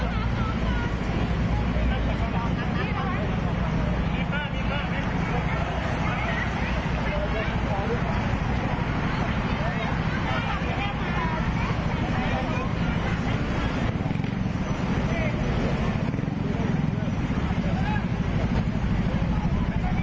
ตายแล้วนี่มันโดนแทงเขาดิโดนแทงเขาหัวใจเลย